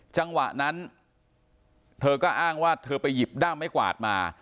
จังหวะนั้นเธอก็อ้างว่าเธอไปหยิบด้ามไม้กวาดมา